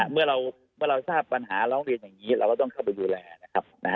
เมื่อเราทราบปัญหาร้องเรียนอย่างนี้เราก็ต้องเข้าไปดูแลนะครับ